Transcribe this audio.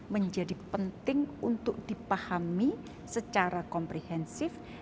menjadi penting untuk dipahami secara komprehensif